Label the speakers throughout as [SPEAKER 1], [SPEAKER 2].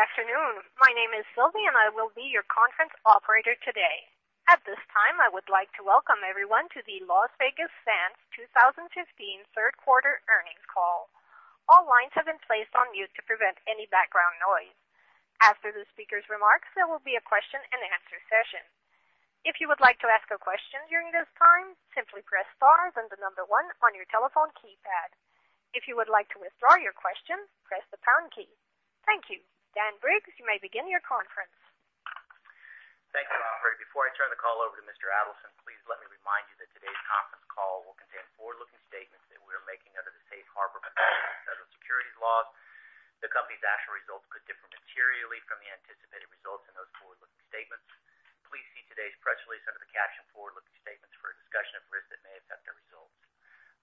[SPEAKER 1] Good afternoon. My name is Sylvia. I will be your conference operator today. At this time, I would like to welcome everyone to the Las Vegas Sands 2015 third quarter earnings call. All lines have been placed on mute to prevent any background noise. After the speaker's remarks, there will be a question-and-answer session. If you would like to ask a question during this time, simply press star, the number one on your telephone keypad. If you would like to withdraw your question, press the pound key. Thank you. Dan Briggs, you may begin your conference.
[SPEAKER 2] Thank you, Sylvia. Before I turn the call over to Mr. Adelson, please let me remind you that today's conference call will contain forward-looking statements that we are making under the safe harbor provisions of the federal securities laws. The company's actual results could differ materially from the anticipated results in those forward-looking statements. Please see today's press release under the caption forward-looking statements for a discussion of risks that may affect our results.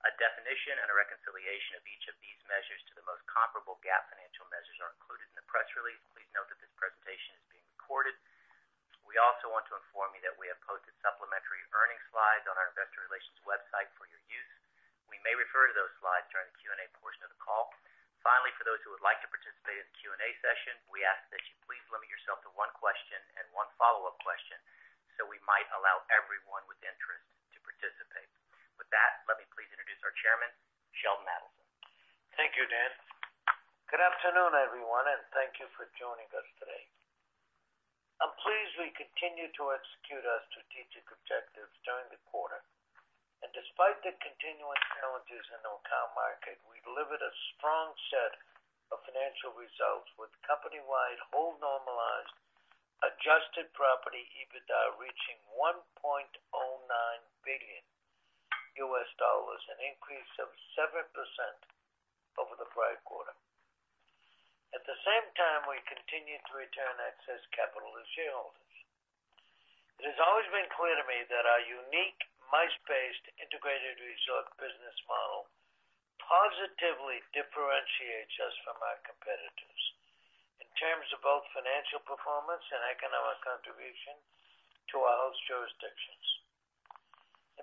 [SPEAKER 2] A definition and a reconciliation of each of these measures to the most comparable GAAP financial measures are included in the press release. Please note that this presentation is being recorded. We also want to inform you that we have posted supplementary earnings slides on our investor relations website for your use. We may refer to those slides during the Q&A portion of the call. Finally, for those who would like to participate in the Q&A session, we ask that you please limit yourself to one question and one follow-up question so we might allow everyone with interest to participate. With that, let me please introduce our Chairman, Sheldon Adelson.
[SPEAKER 3] Thank you, Dan. Good afternoon, everyone. Thank you for joining us today. I'm pleased we continued to execute our strategic objectives during the quarter. Despite the continuing challenges in Macao market, we delivered a strong set of financial results with company-wide whole normalized adjusted property EBITDA reaching $1.09 billion, an increase of 7% over the prior quarter. At the same time, we continued to return excess capital to shareholders. It has always been clear to me that our unique, MICE-based, integrated resort business model positively differentiates us from our competitors in terms of both financial performance and economic contribution to our host jurisdictions.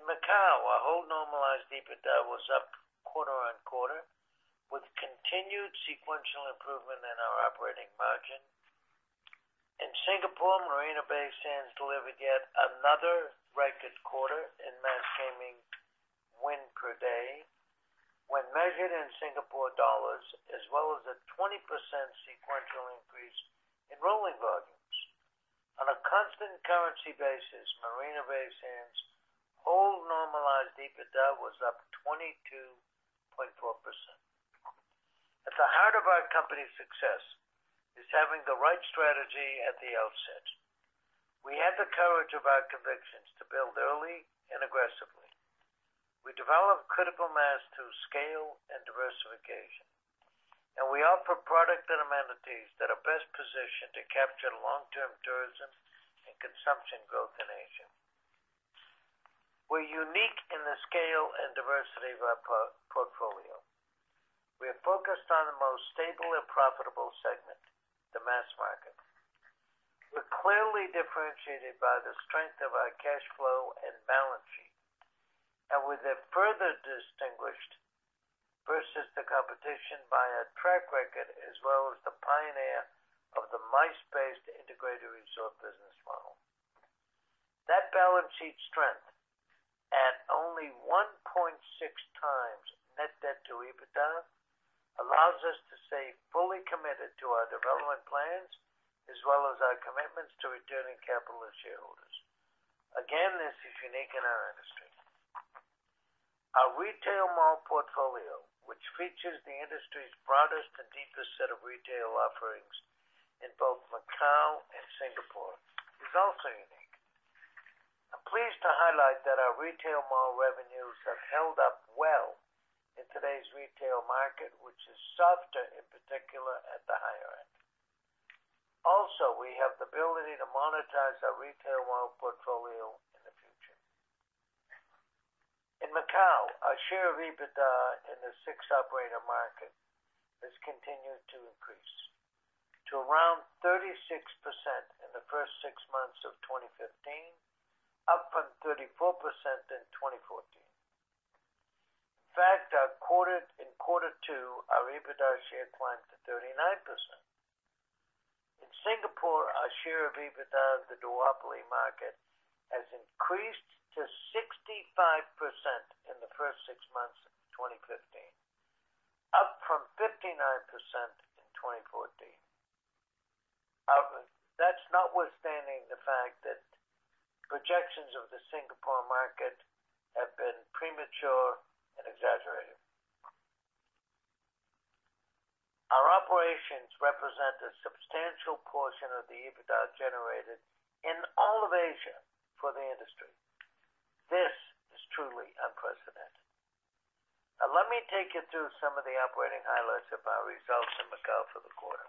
[SPEAKER 3] In Macao, our whole normalized EBITDA was up quarter-on-quarter, with continued sequential improvement in our operating margin. In Singapore, Marina Bay Sands delivered yet another record quarter in mass gaming win per day when measured in SGD as well as a 20% sequential increase in rolling volumes. On a constant currency basis, Marina Bay Sands' whole normalized EBITDA was up 22.4%. At the heart of our company's success is having the right strategy at the outset. We had the courage of our convictions to build early and aggressively. We developed critical mass through scale and diversification. We offer product and amenities that are best positioned to capture long-term tourism and consumption growth in Asia. We're unique in the scale and diversity of our portfolio. We are focused on the most stable and profitable segment, the mass market. We're clearly differentiated by the strength of our cash flow and balance sheet. We're then further distinguished versus the competition by our track record as well as the pioneer of the MICE-based integrated resort business model. That balance sheet strength at only 1.6 times net debt to EBITDA allows us to stay fully committed to our development plans as well as our commitments to returning capital to shareholders. Again, this is unique in our industry. Our retail mall portfolio, which features the industry's broadest and deepest set of retail offerings in both Macao and Singapore, is also unique. I'm pleased to highlight that our retail mall revenues have held up well in today's retail market, which is softer, in particular at the higher end. Also, we have the ability to monetize our retail mall portfolio in the future. In Macao, our share of EBITDA in the six-operator market has continued to increase to around 36% in the first six months of 2015, up from 34% in 2014. In fact, in quarter two, our EBITDA share climbed to 39%. In Singapore, our share of EBITDA of the duopoly market has increased to 65% in the first six months of 2015, up from 59% in 2014. That's notwithstanding the fact that projections of the Singapore market have been premature and exaggerated. Our operations represent a substantial portion of the EBITDA generated in all of Asia for the industry. This is truly unprecedented. Now let me take you through some of the operating highlights of our results in Macao for the quarter.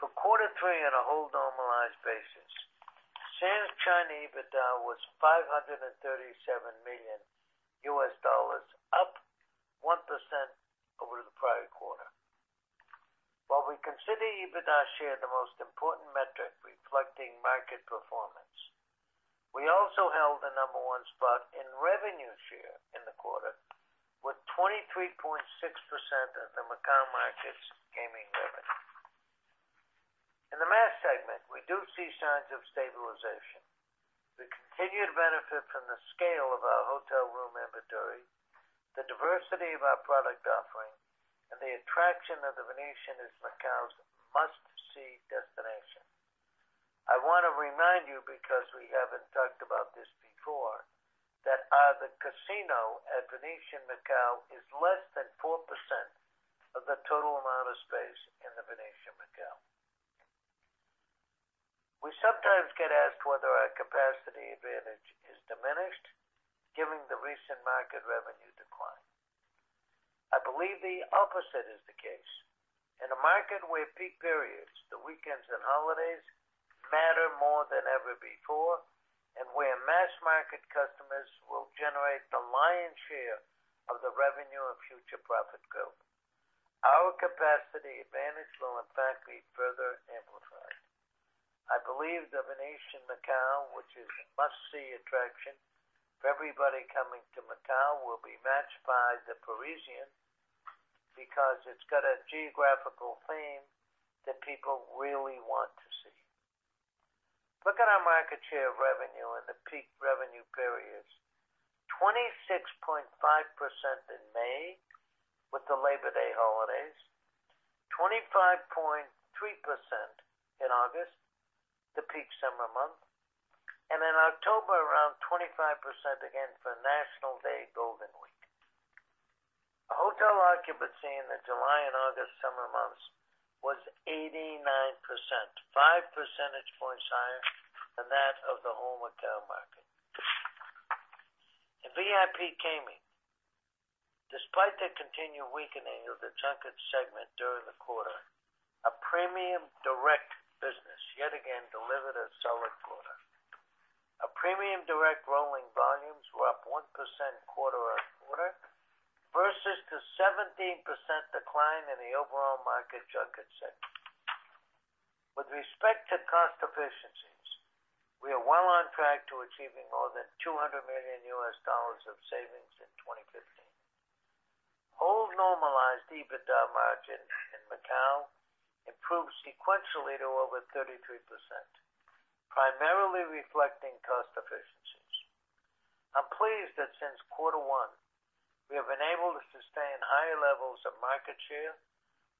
[SPEAKER 3] For quarter three on a whole normalized basis, Sands China EBITDA was $537 million, up 1% over the prior quarter. While we consider EBITDA share the most important metric reflecting market performance, we also held the number one spot in revenue share in the quarter with 23.6% of the Macau market's gaming revenue. In the mass segment, we do see signs of stabilization. We continued to benefit from the scale of our hotel room inventory, the diversity of our product offering, and the attraction of The Venetian as Macau's must-see destination. I want to remind you, because we haven't talked about this before, that the casino at The Venetian Macao is less than 4% of the total amount of space in The Venetian Macao. We sometimes get asked whether our capacity advantage is diminished, given the recent market revenue decline. I believe the opposite is the case. In a market where peak periods, the weekends, and holidays matter more than ever before, and where mass market customers will generate the lion's share of the revenue and future profit growth. Our capacity advantage will in fact be further amplified. I believe The Venetian Macao, which is a must-see attraction for everybody coming to Macau, will be matched by The Parisian because it's got a geographical theme that people really want to see. Look at our market share revenue in the peak revenue periods. 26.5% in May with the Labor Day holidays, 25.3% in August, the peak summer month, and in October, around 25% again for National Day Golden Week. Our hotel occupancy in the July and August summer months was 89%, five percentage points higher than that of the whole Macau market. In VIP gaming, despite the continued weakening of the junket segment during the quarter, our premium direct business yet again delivered a solid quarter. Our premium direct rolling volumes were up 1% quarter-over-quarter versus the 17% decline in the overall market junket segment. With respect to cost efficiencies, we are well on track to achieving more than $200 million of savings in 2015. Whole normalized EBITDA margin in Macau improved sequentially to over 33%, primarily reflecting cost efficiencies. I'm pleased that since Q1, we have been able to sustain higher levels of market share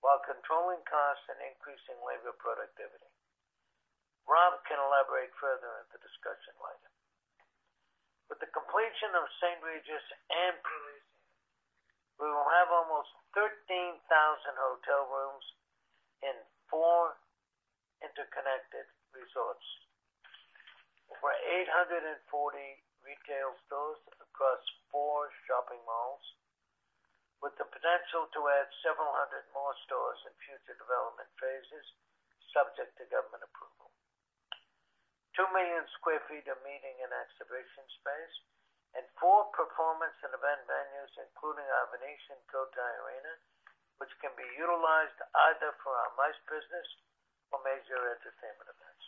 [SPEAKER 3] while controlling costs and increasing labor productivity. Rob can elaborate further at the discussion later. With the completion of The St. Regis and The Parisian, we will have almost 13,000 hotel rooms in four interconnected resorts. Over 840 retail stores across four shopping malls, with the potential to add several hundred more stores in future development phases, subject to government approval. 2 million sq ft of meeting and exhibition space and four performance and event venues, including our The Venetian Cotai Arena, which can be utilized either for our MICE business or major entertainment events.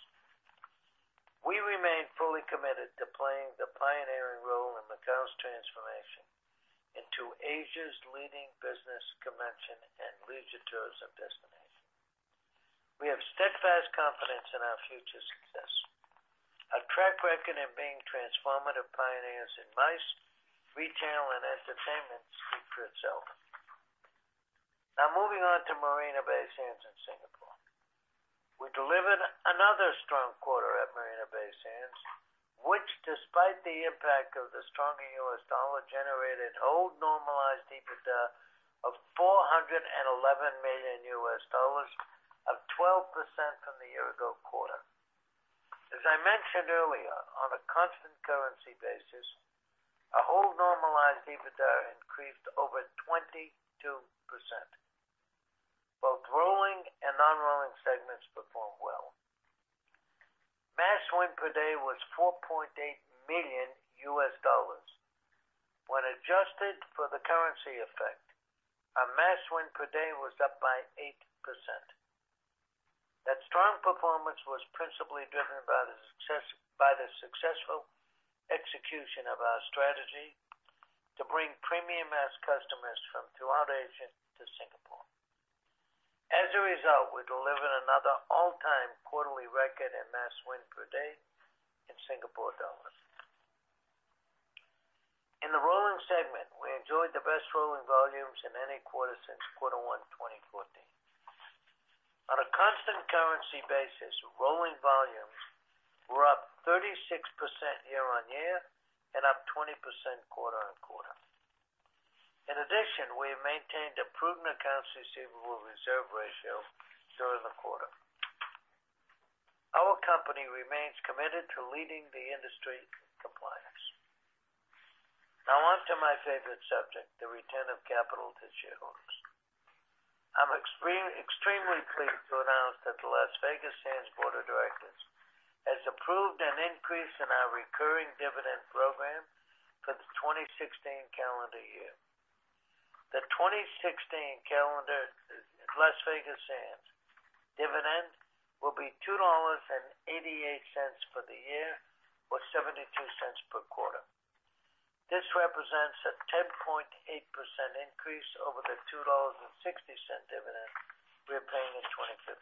[SPEAKER 3] We remain fully committed to playing the pioneering role in Macau's transformation into Asia's leading business convention and leisure tourism destination. We have steadfast confidence in our future success. Our track record in being transformative pioneers in MICE, retail, and entertainment speak for itself. Now moving on to Marina Bay Sands in Singapore. We delivered another strong quarter at Marina Bay Sands, which despite the impact of the stronger U.S. dollar, generated whole normalized EBITDA of $411 million, up 12% from the year-ago quarter. As I mentioned earlier, on a constant currency basis, our whole normalized EBITDA increased over 22%. Both rolling and non-rolling segments performed well. Mass win per day was $4.8 million. When adjusted for the currency effect, our mass win per day was up by 8%. That strong performance was principally driven by the successful execution of our strategy to bring premium mass customers from throughout Asia to Singapore. As a result, we delivered another all-time quarterly record in mass win per day in Singapore dollars. In the rolling segment, we enjoyed the best rolling volumes in any quarter since Q1 2014. On a constant currency basis, rolling volumes were up 36% year-on-year and up 20% quarter-on-quarter. In addition, we have maintained a prudent accounts receivable reserve ratio during the quarter. Our company remains committed to leading the industry in compliance. Now on to my favorite subject, the return of capital to shareholders. I'm extremely pleased to announce that the Las Vegas Sands Board of Directors has approved an increase in our recurring dividend program for the 2016 calendar year. The 2016 calendar Las Vegas Sands dividend will be $2.88 for the year, or $0.72 per quarter. This represents a 10.8% increase over the $2.60 dividend we're paying in 2015.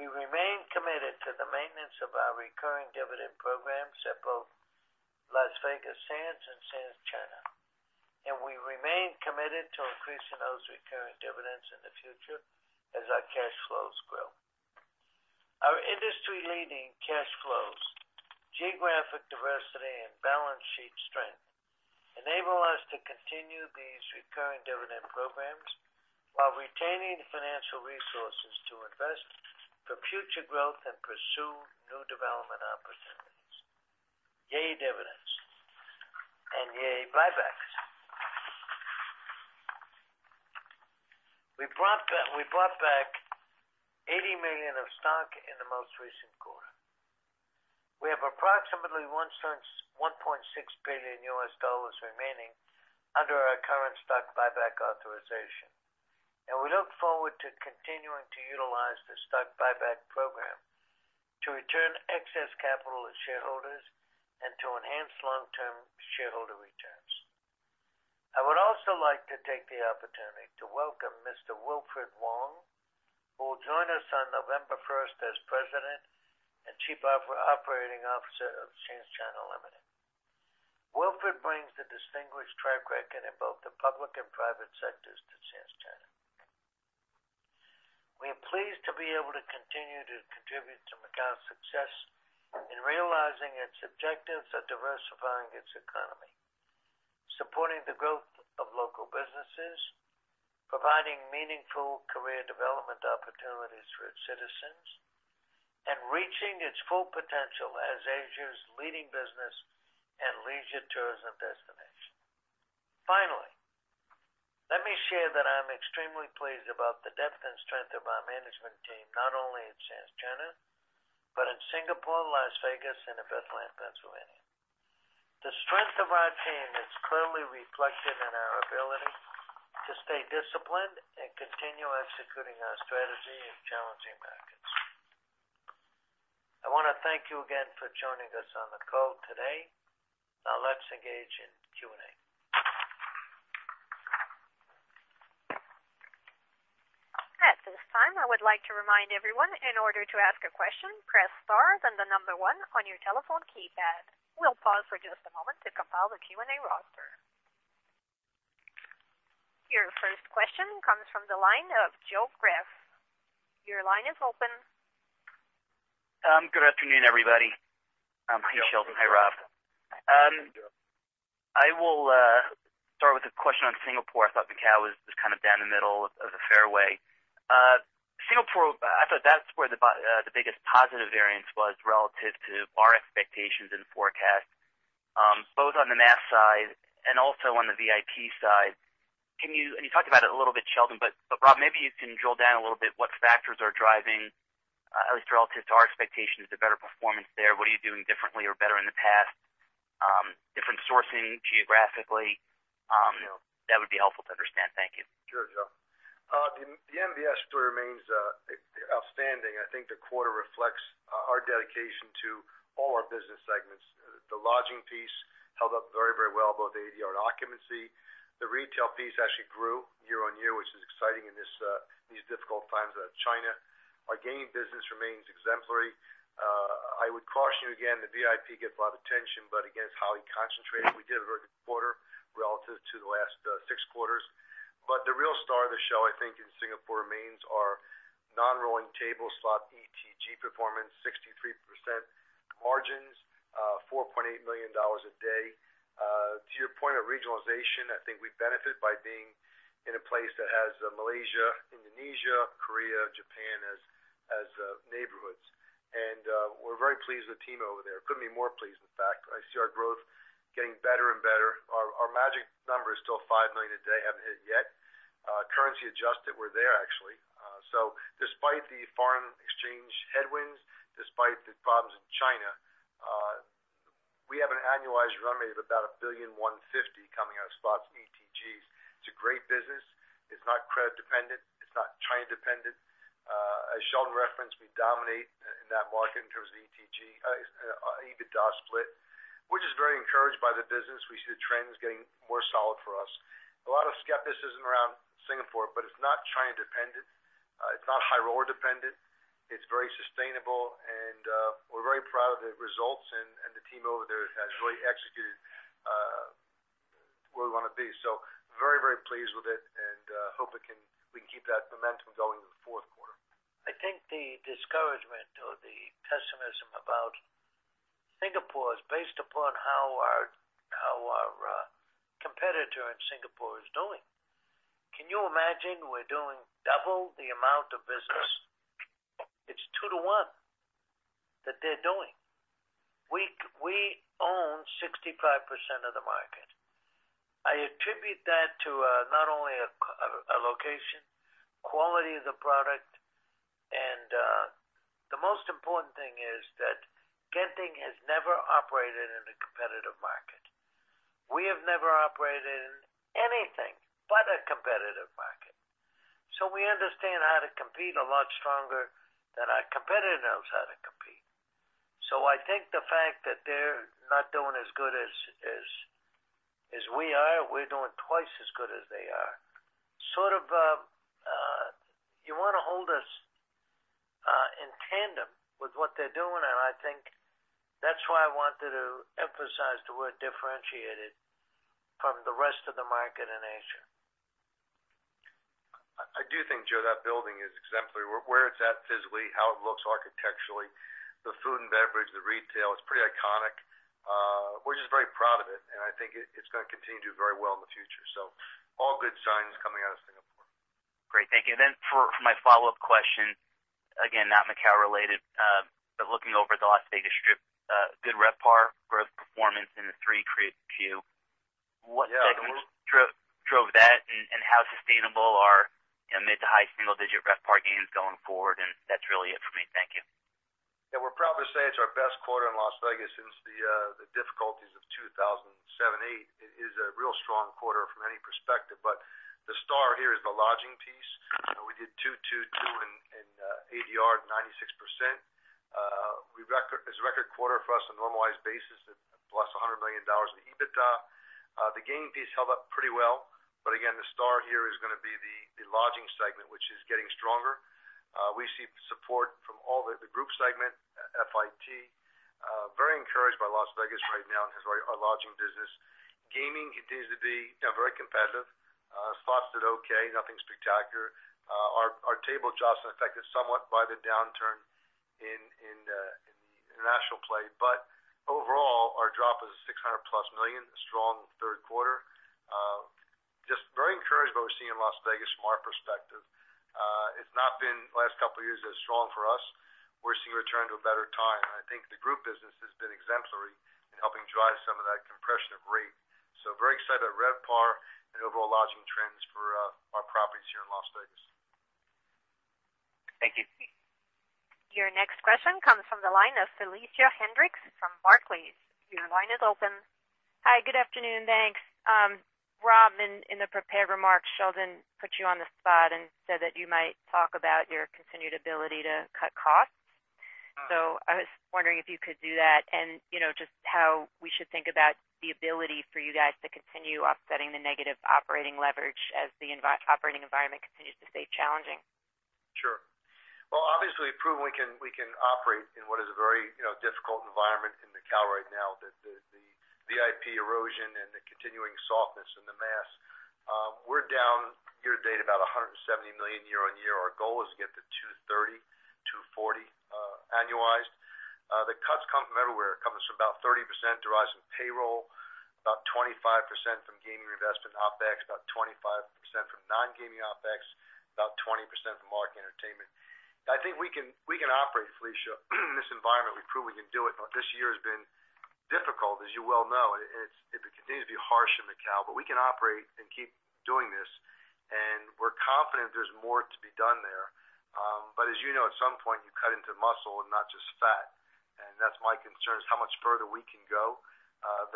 [SPEAKER 3] We remain committed to the maintenance of our recurring dividend programs at both Las Vegas Sands and Sands China. We remain committed to increasing those recurring dividends in the future as our cash flows grow. Our industry-leading cash flows, geographic diversity, and balance sheet strength enable us to continue these recurring dividend programs while retaining financial resources to invest for future growth and pursue new development opportunities. Yay, dividends, and yay, buybacks. We brought back $80 million of stock in the most recent quarter. We have approximately $1.6 billion USD remaining under our current stock buyback authorization. We look forward to continuing to utilize the stock buyback program to return excess capital to shareholders and to enhance long-term shareholder returns. I would also like to take the opportunity to welcome Mr. Wilfred Wong, who will join us on November 1st as President and Chief Operating Officer of Sands China Limited. Wilfred brings a distinguished track record in both the public and private sectors to Sands China. We are pleased to be able to continue to contribute to Macau's success in realizing its objectives of diversifying its economy, supporting the growth of local businesses, providing meaningful career development opportunities for its citizens, and reaching its full potential as Asia's leading business and leisure tourism destination. Finally, let me share that I'm extremely pleased about the depth and strength of our management team, not only at Sands China, but in Singapore, Las Vegas, and at Bethlehem, Pennsylvania. The strength of our team is clearly reflected in our ability to stay disciplined and continue executing our strategy in challenging markets. I want to thank you again for joining us on the call today. Let's engage in Q&A.
[SPEAKER 1] At this time, I would like to remind everyone, in order to ask a question, press star, then the number 1 on your telephone keypad. We'll pause for just a moment to compile the Q&A roster. Your first question comes from the line of Joe Greff. Your line is open.
[SPEAKER 4] Good afternoon, everybody. Hi, Sheldon. Hi, Rob.
[SPEAKER 3] Hi, Joe.
[SPEAKER 4] I will start with a question on Singapore. I thought Macau was just down the middle of the fairway. Singapore, I thought that's where the biggest positive variance was relative to our expectations and forecasts, both on the mass side and also on the VIP side. You talked about it a little bit, Sheldon, but Rob, maybe you can drill down a little bit what factors are driving, at least relative to our expectations, the better performance there. What are you doing differently or better in the past? Different sourcing geographically. That would be helpful to understand. Thank you.
[SPEAKER 3] Sure, Joe. The MBS story remains outstanding. I think the quarter reflects our dedication to all our business segments. The lodging piece held up very well, both ADR and occupancy. The retail piece actually grew year-over-year, which is exciting in these difficult times out of China. Our gaming business remains exemplary. I would caution you again, the VIP get a lot of attention, but again, it's highly concentrated. We did a very good quarter relative to the last six quarters. The real star of the show, I think, in Singapore remains our non-rolling table slot ETG performance, 63% margins, $4.8 million a day. To your point of regionalization, I think we benefit by being in a place that has Malaysia, Indonesia, Korea, Japan as neighborhoods. We're very pleased with the team over there. Couldn't be more pleased, in fact. I see our growth getting better and better. Our magic number is still $5 million a day, haven't hit it yet. Currency adjusted, we're there, actually. Despite the foreign exchange headwinds, despite the problems in China, we have an annualized run rate of about $1 billion, 150 coming out of slots and ETGs. It's a great business. It's not credit dependent. It's not China dependent. As Sheldon referenced, we dominate in that market in terms of ETG, EBITDA split, which is very encouraged by the business. We see the trends getting more solid for us. A lot of skepticism around Singapore, but it's not China dependent. It's not high roller dependent. It's very sustainable, and we're very proud of the results, and the team over there has really executed where we want to be. Very pleased with it and hope we can keep that momentum going into the fourth quarter. I think the discouragement or the pessimism about Singapore is based upon how our competitor in Singapore is doing. Can you imagine we're doing double the amount of business? It's 2 to 1 that they're doing. We own 65% of the market. I attribute that to not only our location, quality of the product Is that Genting has never operated in a competitive market. We have never operated in anything but a competitive market. We understand how to compete a lot stronger than our competitor knows how to compete. I think the fact that they're not doing as good as we are, we're doing twice as good as they are. You want to hold us in tandem with what they're doing, and I think that's why I wanted to emphasize the word differentiated from the rest of the market in Asia.
[SPEAKER 5] I do think, Joe, that building is exemplary. Where it's at physically, how it looks architecturally, the food and beverage, the retail, it's pretty iconic. We're just very proud of it, and I think it's going to continue to do very well in the future. All good signs coming out of Singapore.
[SPEAKER 4] Great, thank you. For my follow-up question, again, not Macau related, but looking over the Las Vegas Strip, good RevPAR growth performance in the three Q.
[SPEAKER 5] Yeah.
[SPEAKER 4] What segments drove that, and how sustainable are mid to high single-digit RevPAR gains going forward? That's really it for me. Thank you.
[SPEAKER 5] We're proud to say it's our best quarter in Las Vegas since the difficulties of 2007. Eight is a real strong quarter from any perspective. The star here is the lodging piece. We did 222 in ADR, 96%. It's a record quarter for us on a normalized basis at plus $100 million in EBITDA. The gaming piece held up pretty well. Again, the star here is going to be the lodging segment, which is getting stronger. We see support from all the group segment, FIT. Very encouraged by Las Vegas right now because of our lodging business. Gaming continues to be very competitive. Slots did okay, nothing spectacular. Our table drops are affected somewhat by the downturn in the international play. Overall, our drop is $600-plus million, a strong third quarter. Just very encouraged by what we see in Las Vegas from our perspective. It's not been, the last couple of years, as strong for us. We're seeing a return to a better time. I think the group business has been exemplary in helping drive some of that compression of rate. Very excited about RevPAR and overall lodging trends for our properties here in Las Vegas.
[SPEAKER 4] Thank you.
[SPEAKER 1] Your next question comes from the line of Felicia Hendrix from Barclays. Your line is open.
[SPEAKER 6] Hi, good afternoon. Thanks. Rob, in the prepared remarks, Sheldon put you on the spot and said that you might talk about your continued ability to cut costs. I was wondering if you could do that and just how we should think about the ability for you guys to continue offsetting the negative operating leverage as the operating environment continues to stay challenging.
[SPEAKER 5] Well, obviously, we've proven we can operate in what is a very difficult environment in Macau right now. The VIP erosion and the continuing softness in the mass. We're down year to date about $170 million year-over-year. Our goal is to get to $230 million-$240 million annualized. The cuts come from everywhere. It comes from about 30% derives from payroll, about 25% from gaming reinvestment OpEx, about 25% from non-gaming OpEx, about 20% from marketing entertainment. I think we can operate, Felicia, in this environment. We've proven we can do it, this year has been difficult, as you well know, and it continues to be harsh in Macau. We can operate and keep doing this, and we're confident there's more to be done there. As you know, at some point, you cut into muscle and not just fat, and that's my concern, is how much further we can go.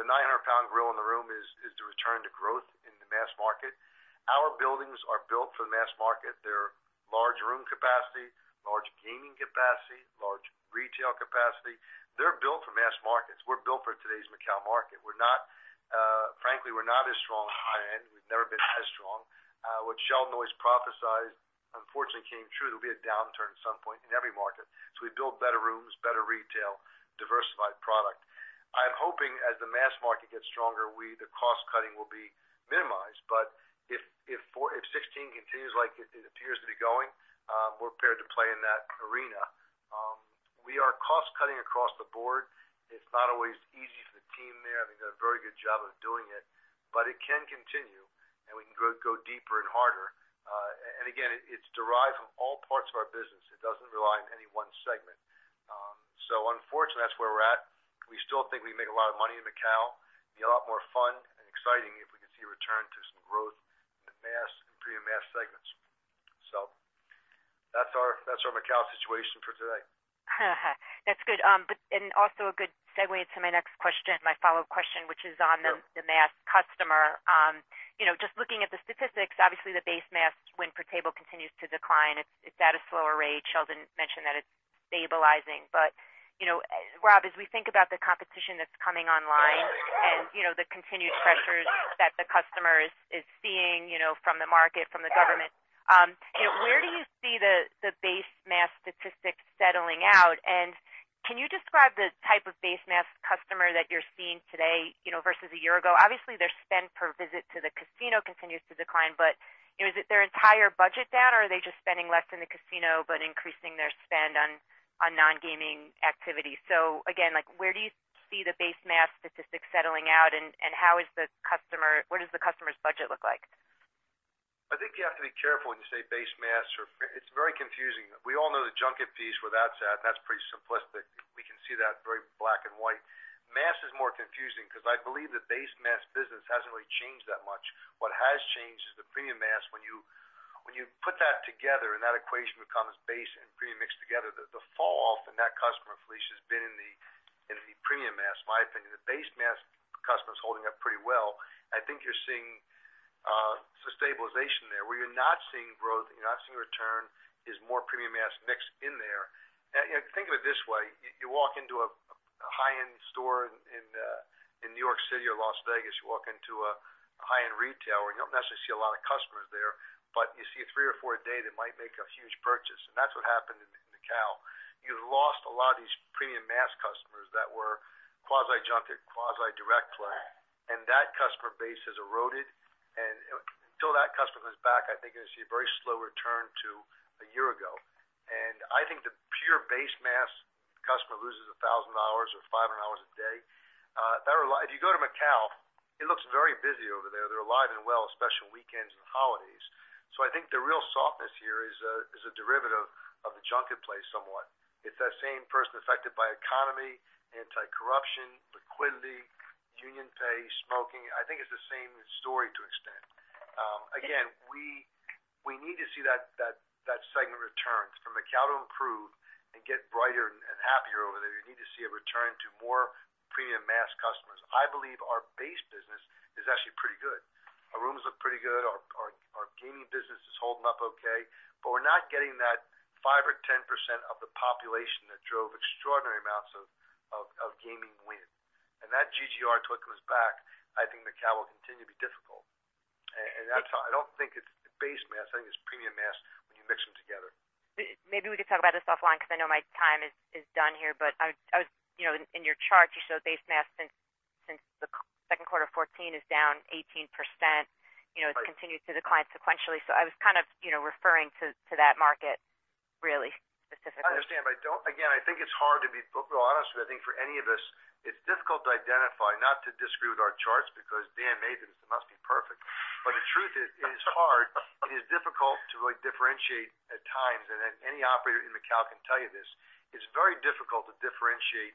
[SPEAKER 5] The 900-pound gorilla in the room is the return to growth in the mass market. Our buildings are built for the mass market. They're large room capacity, large gaming capacity, large retail capacity. They're built for mass markets. We're built for today's Macau market. Frankly, we're not as strong high-end. We've never been as strong. What Sheldon always prophesized, unfortunately, came true. There'll be a downturn at some point in every market. We build better rooms, better retail, diversified product. I'm hoping as the mass market gets stronger, the cost-cutting will be minimized. If 2016 continues like it appears to be going, we're prepared to play in that arena. We are cost-cutting across the board. It's not always easy for the team there. I think they've done a very good job of doing it. It can continue, and we can go deeper and harder. Again, it's derived from all parts of our business. It doesn't rely on any one segment. Unfortunately, that's where we're at. We still think we can make a lot of money in Macau. It'd be a lot more fun and exciting if we could see a return to some growth in the mass and premium mass segments. That's our Macau situation for today.
[SPEAKER 6] That's good. Also a good segue into my next question, my follow-up question, which is on.
[SPEAKER 5] Sure
[SPEAKER 6] the mass customer. Just looking at the statistics, obviously, the base mass win per table continues to decline. It's at a slower rate. Sheldon mentioned that it's stabilizing. Rob, as we think about the competition that's coming online and the continued pressures that the customer is seeing from the market, from the government, where do you see the base mass statistics settling out? Can you describe the type of base mass customer that you're seeing today versus a year ago? Obviously, their spend per visit to the casino continues to decline, but is it their entire budget down, or are they just spending less in the casino but increasing their spend on non-gaming activities? Again, where do you see the base mass statistics settling out, and what does the customer's budget look like?
[SPEAKER 5] I think you have to be careful when you say base mass. It's very confusing. We all know the junket piece, where that's at. That's pretty simplistic. We can see that very black and white. Mass is more confusing because I believe the base mass business hasn't really changed that much. What has changed is the premium mass when you put that together and that equation becomes base and premium mixed together, the falloff in that customer, Felicia, has been in the premium mass. My opinion, the base mass customer is holding up pretty well. I think you're seeing some stabilization there. Where you're not seeing growth, you're not seeing return, is more premium mass mixed in there. Think of it this way. You walk into a high-end store in New York City or Las Vegas, you walk into a high-end retail where you don't necessarily see a lot of customers there, but you see three or four a day that might make a huge purchase. That's what happened in Macau. You lost a lot of these premium mass customers that were quasi-junket, quasi-direct play, and that customer base has eroded. Until that customer is back, I think you're going to see a very slow return to a year ago. I think the pure base mass customer loses $1,000 or $500 a day. If you go to Macau, it looks very busy over there. They're alive and well, especially weekends and holidays. I think the real softness here is a derivative of the junket play somewhat. It's that same person affected by economy, anti-corruption, liquidity, UnionPay, smoking. I think it's the same story to extent. Again, we need to see that segment return for Macau to improve and get brighter and happier over there. You need to see a return to more premium mass customers. I believe our base business is actually pretty good. Our rooms look pretty good. Our gaming business is holding up okay, but we're not getting that 5% or 10% of the population that drove extraordinary amounts of gaming win. That GGR, until it comes back, I think Macau will continue to be difficult. I don't think it's base mass. I think it's premium mass when you mix them together.
[SPEAKER 6] Maybe we could talk about this offline because I know my time is done here. In your chart, you showed base mass since the second quarter of 2014 is down 18%.
[SPEAKER 5] Right.
[SPEAKER 6] It's continued to decline sequentially. I was kind of referring to that market really specifically.
[SPEAKER 5] I understand. Again, I think it's hard to be totally honest with you. I think for any of us, it's difficult to identify, not to disagree with our charts because Dan made them, so they must be perfect. The truth is, it is hard. It is difficult to really differentiate at times, and any operator in Macau can tell you this. It's very difficult to differentiate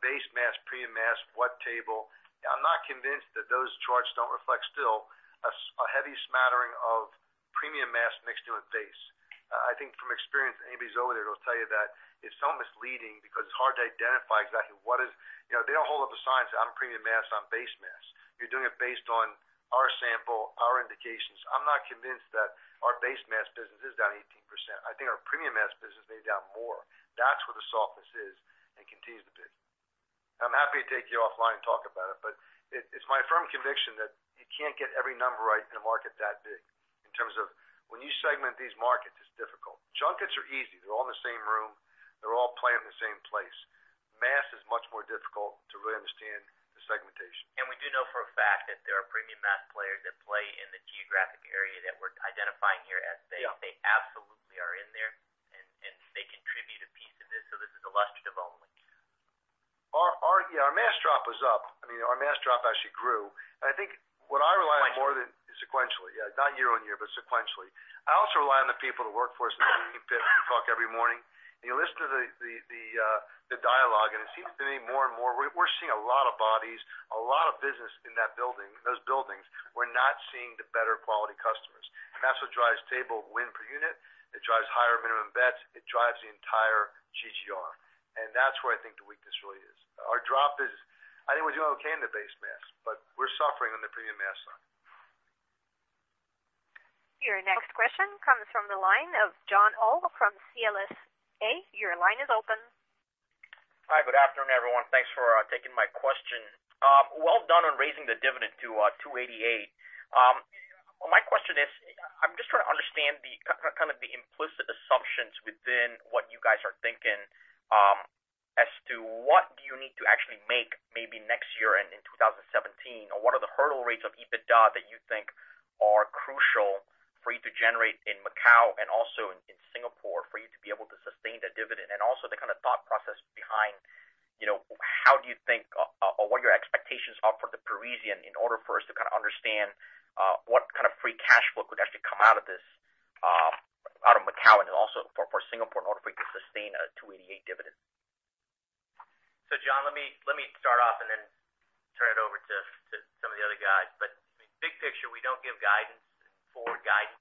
[SPEAKER 5] base mass, premium mass, what table. I'm not convinced that those charts don't reflect still a heavy smattering of premium mass mixed in with base. I think from experience, anybody who's over there will tell you that it's so misleading because it's hard to identify exactly. They don't hold up a sign, say, "I'm premium mass, I'm base mass." You're doing it based on our sample, our indications. I'm not convinced that our base mass business is down 18%. I think our premium mass business may be down more. That's where the softness is and continues to be. I'm happy to take you offline and talk about it, but it's my firm conviction that you can't get every number right in a market that big in terms of when you segment these markets, it's difficult. Junkets are easy. They're all in the same room. They're all playing in the same place. Mass is much more difficult to really understand the segmentation.
[SPEAKER 2] We do know for a fact that there are premium mass players that play in the geographic area that we're identifying here as.
[SPEAKER 5] Yeah
[SPEAKER 2] They absolutely are in there, and they contribute a piece of this, so this is illustrative only.
[SPEAKER 5] Our mass drop was up. Our mass drop actually grew. I think what I rely on more than.
[SPEAKER 2] Sequentially.
[SPEAKER 5] Sequentially, yeah. Not year-over-year, but sequentially. I also rely on the people that work for us in the meeting pit who talk every morning. You listen to the dialogue, and it seems to me more and more, we're seeing a lot of bodies, a lot of business in those buildings. We're not seeing the better quality customers. That's what drives table win per unit. It drives higher minimum bets. It drives the entire GGR. That's where I think the weakness really is. Our drop is, I think we're doing okay in the base mass, but we're suffering on the premium mass side.
[SPEAKER 1] Your next question comes from the line of Aaron Fischer from CLSA. Your line is open.
[SPEAKER 7] Hi, good afternoon, everyone. Thanks for taking my question. Well done on raising the dividend to $2.88. My question is, I'm just trying to understand the implicit assumptions within what you guys are thinking as to what do you need to actually make maybe next year and in 2017. What are the hurdle rates of EBITDA that you think are crucial for you to generate in Macau and also in Singapore for you to be able to sustain that dividend? Also the kind of thought process behind how do you think or what your expectations are for the Parisian in order for us to kind of understand what kind of free cash flow could actually come out of Macau and also for Singapore in order for you to sustain a $2.88 dividend.
[SPEAKER 2] Aaron, let me start off then turn it over to some of the other guys. Big picture, we don't give forward guidance,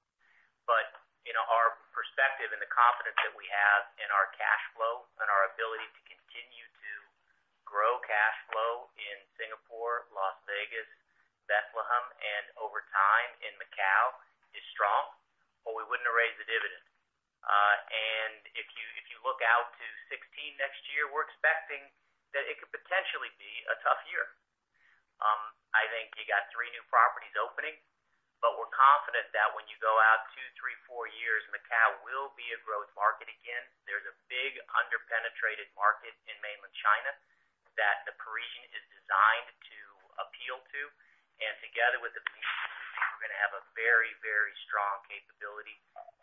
[SPEAKER 2] our perspective and the confidence that we have in our cash flow and our ability to continue to grow cash flow in Singapore, Las Vegas, Bethlehem, and over time in Macau is strong, we wouldn't have raised the dividend. If you look out to 2016 next year, we're expecting that it could potentially be a tough year. I think you got three new properties opening, we're confident that when you go out two, three, four years, Macau will be a growth market again. There's a big under-penetrated market in Mainland China that the Parisian is designed to appeal to. Together with the Parisian, we think we're going to have a very, very strong capability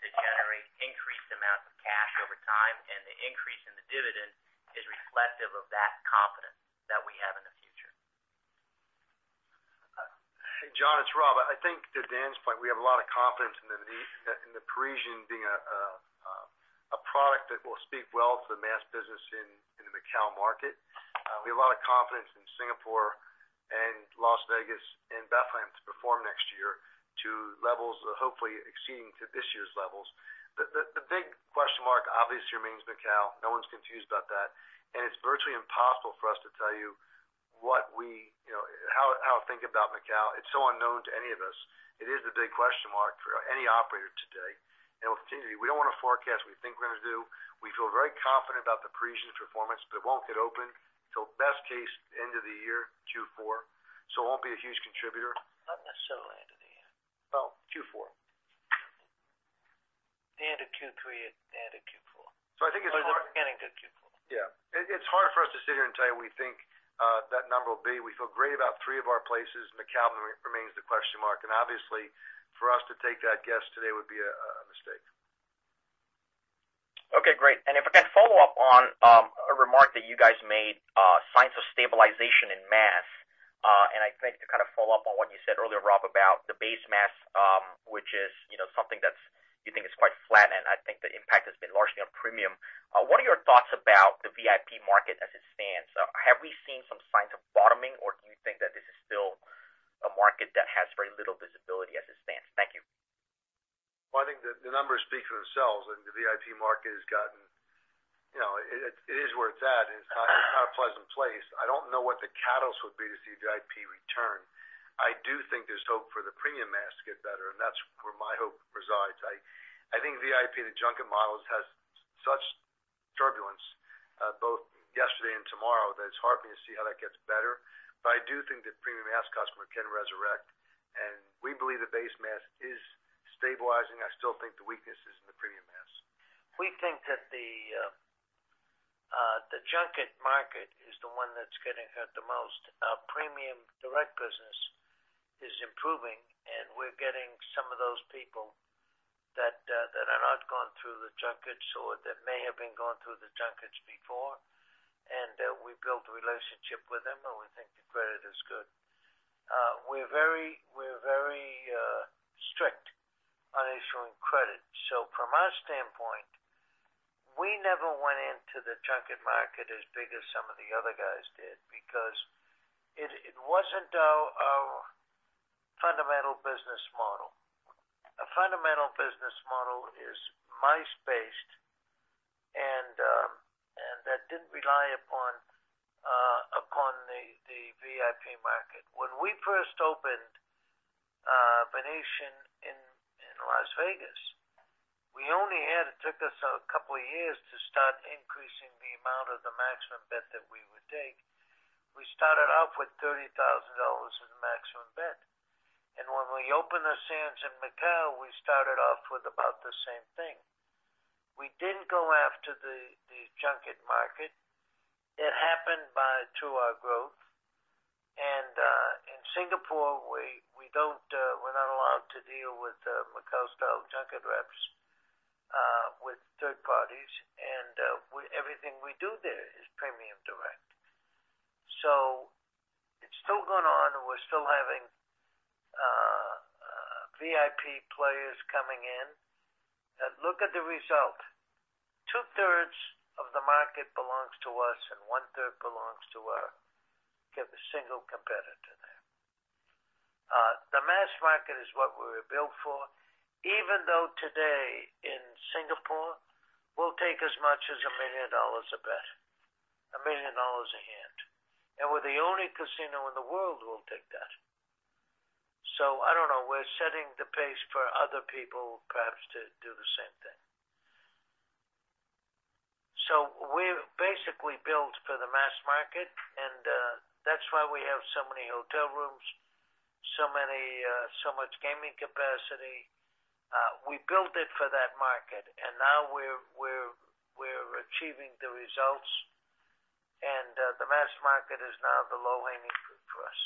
[SPEAKER 2] to generate increased amounts of cash over time. The increase in the dividend is reflective of that confidence that we have in the future.
[SPEAKER 5] Aaron, it's Rob. I think to Dan's point, we have a lot of confidence in the Parisian market. We have a lot of confidence in Singapore and Las Vegas and Bethlehem to perform next year to levels hopefully exceeding to this year's levels. The big question mark obviously remains Macau. No one's confused about that, and it's virtually impossible for us to tell you how to think about Macau. It's so unknown to any of us. It is a big question mark for any operator today, and it will continue to be. We don't want to forecast what we think we're going to do. We feel very confident about the Parisian's performance, but it won't get open until best case end of the year, Q4, so it won't be a huge contributor.
[SPEAKER 3] Not necessarily end of the year.
[SPEAKER 5] Well, Q4.
[SPEAKER 3] The end of Q3, end of Q4.
[SPEAKER 5] I think it's hard.
[SPEAKER 3] Getting to Q4.
[SPEAKER 5] Yeah. It's hard for us to sit here and tell you what we think that number will be. We feel great about three of our places. Macau remains the question mark, and obviously for us to take that guess today would be a mistake.
[SPEAKER 7] Okay, great. If I can follow up on a remark that you guys made, signs of stabilization in mass. I think to follow up on what you said earlier, Rob, about the base mass, which is something that you think is quite flat, and I think the impact has been largely on premium. What are your thoughts about the VIP market as it stands? Have we seen some signs of bottoming, or do you think that this is still a market that has very little visibility as it stands? Thank you.
[SPEAKER 5] I think the numbers speak for themselves, and the VIP market is where it's at. It's not a pleasant place. I don't know what the catalyst would be to see VIP return. I do think there's hope for the premium mass to get better, and that's where my hope resides. I think VIP, the junket models, has such turbulence, both yesterday and tomorrow, that it's hard for me to see how that gets better. I do think the premium mass customer can resurrect, and we believe the base mass is stabilizing. I still think the weakness is in the premium mass.
[SPEAKER 3] We think that the junket market is the one that's getting hurt the most. Our premium direct business is improving, and we're getting some of those people that have not gone through the junkets or that may have been going through the junkets before, and we build a relationship with them, and we think the credit is good. We're very strict on issuing credit. From our standpoint, we never went into the junket market as big as some of the other guys did because it wasn't our fundamental business model. Our fundamental business model is MICE, and that didn't rely upon the VIP market. When we first opened The Venetian in Las Vegas, it took us a couple of years to start increasing the amount of the maximum bet that we would take. We started off with $30,000 as the maximum bet. When we opened the Sands Macao, we started off with about the same thing. We didn't go after the junket market. It happened through our growth. In Singapore, we're not allowed to deal with Macau-style junket reps with third parties. Everything we do there is premium direct. It's still going on, and we're still having VIP players coming in that look at the result. Two-thirds of the market belongs to us, and 1/3 belongs to our, we have a single competitor there. The mass market is what we were built for, even though today in Singapore, we'll take as much as $1 million a bet, $1 million a hand. We're the only casino in the world who will take that. I don't know. We're setting the pace for other people perhaps to do the same thing. We've basically built for the mass market, and that's why we have so many hotel rooms, so much gaming capacity. We built it for that market, and now we're achieving the results, and the mass market is now the low-hanging fruit for us.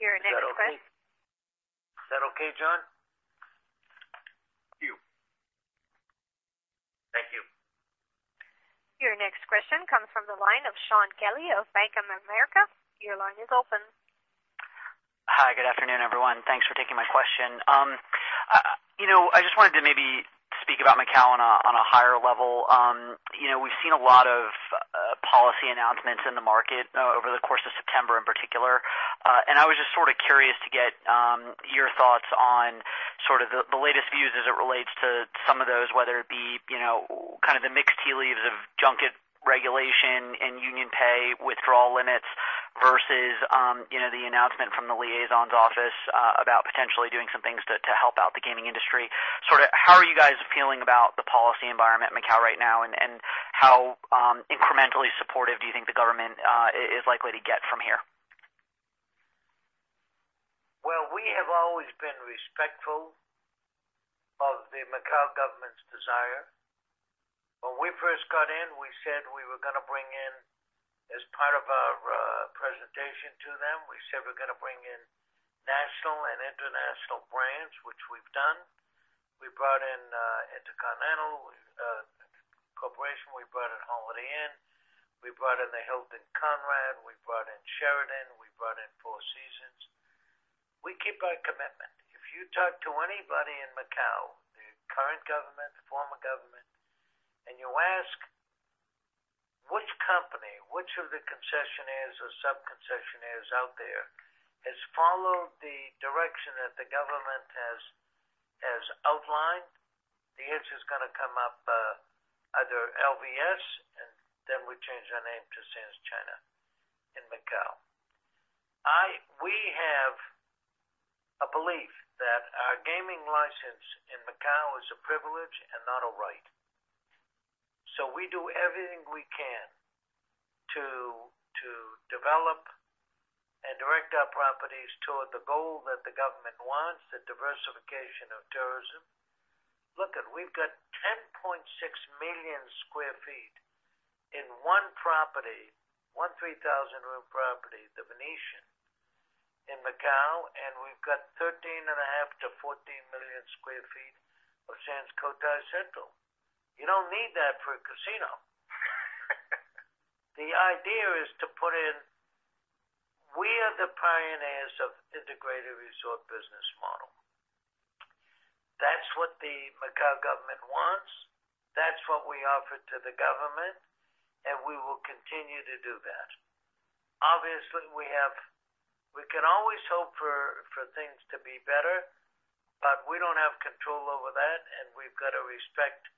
[SPEAKER 1] Your next que-.
[SPEAKER 3] Is that okay, John?
[SPEAKER 5] Thank you.
[SPEAKER 7] Thank you.
[SPEAKER 1] Your next question comes from the line of Shaun Kelley of Bank of America. Your line is open.
[SPEAKER 8] Hi, good afternoon, everyone. Thanks for taking my question. I just wanted to maybe speak about Macau on a higher level. We've seen a lot of policy announcements in the market over the course of September, in particular. I was just sort of curious to get your thoughts on sort of the latest views as it relates to some of those, whether it be kind of the mixed tea leaves of junket regulation and UnionPay withdrawal limits versus the announcement from the liaison's office about potentially doing some things to help out the gaming industry. Sort of how are you guys feeling about the policy environment in Macau right now, and how incrementally supportive do you think the government is likely to get from here?
[SPEAKER 3] Well, we have always been respectful of the Macau government's desire. When we first got in, as part of our presentation to them, we said we were going to bring in national and international brands, which we've done. We brought in InterContinental. We brought in the Conrad, we brought in Sheraton, we brought in Four Seasons. We keep our commitment. If you talk to anybody in Macau, the current government, the former government, you ask which company, which of the concessionaires or sub-concessionaires out there has followed the direction that the government has outlined, the answer's going to come up, either LVS, and then we changed our name to Sands China in Macau. We have a belief that our gaming license in Macau is a privilege and not a right. We do everything we can to develop and direct our properties toward the goal that the government wants, the diversification of tourism. Look it, we've got 10.6 million sq ft in one property, one 3,000-room property, The Venetian in Macau, and we've got 13.5 million sq ft-14 million sq ft of Sands Cotai Central. You don't need that for a casino. The idea is to put in, we are the pioneers of integrated resort business model. That's what the Macau government wants, that's what we offer to the government, and we will continue to do that. Obviously, we can always hope for things to be better, but we don't have control over that, and we've got to respect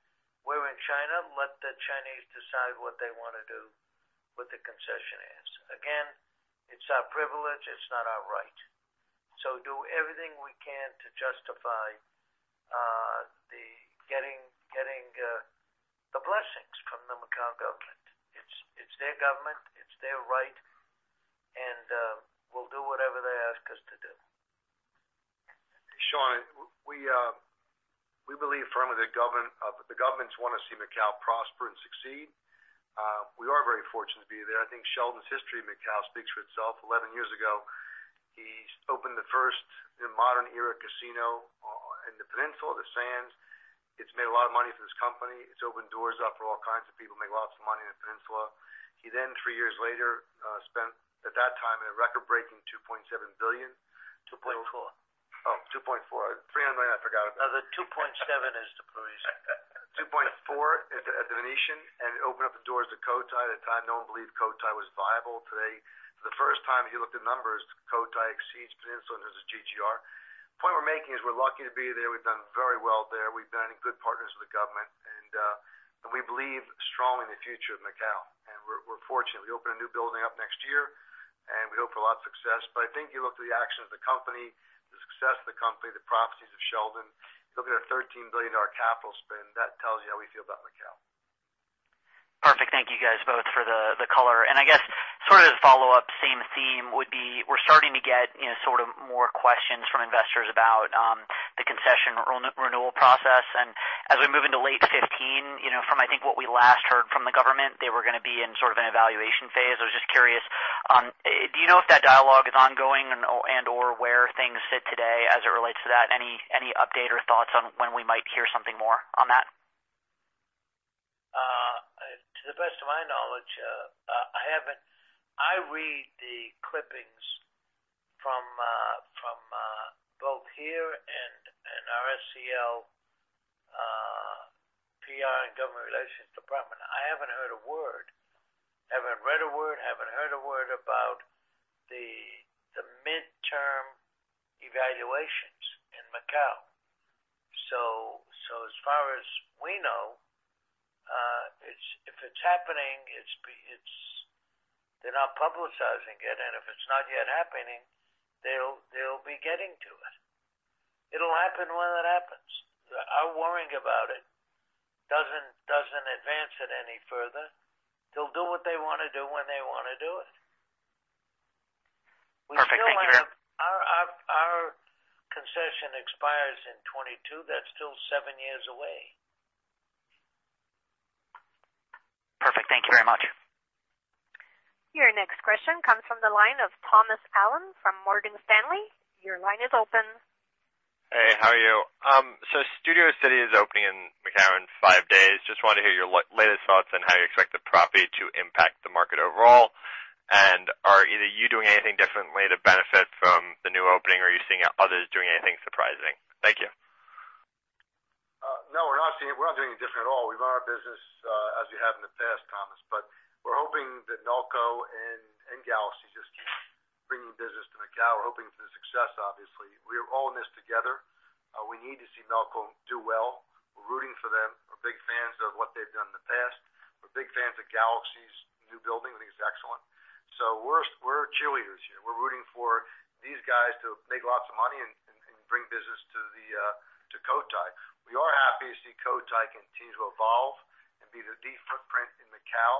[SPEAKER 3] we're in China, let the Chinese decide what they want to do with the concessionaires. Again, it's our privilege, it's not our right. Do everything we can to justify getting the blessings from the Macau government. It's their government, it's their right, we'll do whatever they ask us to do.
[SPEAKER 5] Shaun, we believe firmly the governments want to see Macau prosper and succeed. We are very fortunate to be there. I think Sheldon's history in Macau speaks for itself. 11 years ago, he opened the first, the modern era casino in the Peninsula, the Sands. It's made a lot of money for this company. It's opened doors up for all kinds of people, make lots of money in the Peninsula. He then, three years later, spent, at that time, a record-breaking $2.7 billion-
[SPEAKER 3] 2.4.
[SPEAKER 5] $2.4. $300 million, I forgot about that.
[SPEAKER 3] The $2.7 is the Parisian.
[SPEAKER 5] $2.4 at The Venetian, it opened up the doors to Cotai. At the time, no one believed Cotai was viable. Today, for the first time, if you looked at numbers, Cotai exceeds Peninsula as a GGR. The point we're making is we're lucky to be there. We've done very well there. We've been good partners with the government, we believe strongly in the future of Macau. We're fortunate. We open a new building up next year, and we hope for a lot of success. I think you look at the actions of the company, the success of the company, the properties of Sheldon, you look at a $13 billion capital spend, that tells you how we feel about Macau.
[SPEAKER 8] Perfect. Thank you guys both for the color. I guess, sort of the follow-up, same theme would be, we're starting to get more questions from investors about, the concession renewal process. As we move into late 2015, from I think what we last heard from the government, they were going to be in sort of an evaluation phase. I was just curious, do you know if that dialogue is ongoing and/or where things sit today as it relates to that? Any update or thoughts on when we might hear something more on that?
[SPEAKER 3] To the best of my knowledge, I read the clippings from both here and our SEL, PR, and government relations department. I haven't heard a word. Haven't read a word, haven't heard a word about the midterm evaluations in Macau. As far as we know, if it's happening, they're not publicizing it. If it's not yet happening, they'll be getting to it. It'll happen when it happens. Our worrying about it doesn't advance it any further. They'll do what they want to do when they want to do it.
[SPEAKER 8] Perfect. Thank you.
[SPEAKER 3] Our concession expires in 2022. That's still seven years away.
[SPEAKER 8] Perfect. Thank you very much.
[SPEAKER 1] Your next question comes from the line of Thomas Allen from Morgan Stanley. Your line is open.
[SPEAKER 9] Hey, how are you? Studio City is opening in Macau in five days. Just wanted to hear your latest thoughts on how you expect the property to impact the market overall. Are either you doing anything differently to benefit from the new opening, or are you seeing others doing anything surprising? Thank you.
[SPEAKER 5] We're not doing anything different at all. We run our business as we have in the past, Thomas, we're hoping that Melco and Galaxy just keep bringing business to Macau. We're hoping for their success, obviously. We are all in this together. We need to see Melco do well. We're rooting for them. We're big fans of what they've done in the past. We're big fans of Galaxy's new building. We think it's excellent. We're cheerleaders here. We're rooting for these guys to make lots of money and bring business to Cotai. We are happy to see Cotai continue to evolve and be the deep footprint in Macau.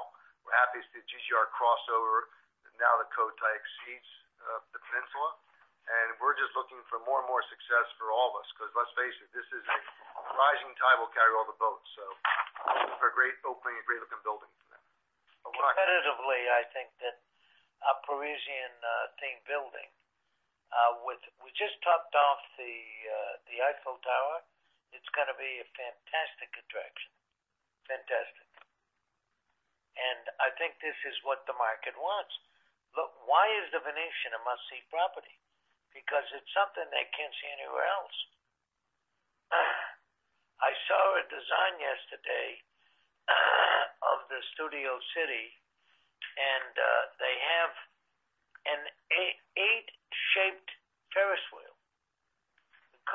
[SPEAKER 5] We're happy to see GGR crossover, now that Cotai exceeds the Peninsula, we're just looking for more and more success for all of us because let's face it, this is a rising tide will carry all the boats. For a great opening and great looking building for them.
[SPEAKER 3] Competitively, I think that a Parisian-themed building. We just topped off the Eiffel Tower. It's going to be a fantastic attraction. Fantastic. I think this is what the market wants. Look, why is The Venetian a must-see property? Because it's something they can't see anywhere else. I saw a design yesterday of the Studio City, and they have an eight-shaped Ferris wheel.